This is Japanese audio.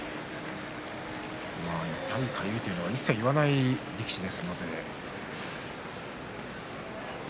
痛い、かゆいというのは一切、言わない力士ですからね。